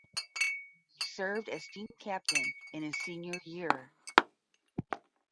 He served as team captain in his senior year.